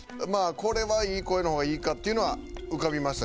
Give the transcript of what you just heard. これはいい声の方がいいかっていうのは浮かびました